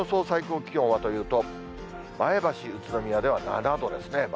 最高気温はというと、前橋、宇都宮では７度ですね。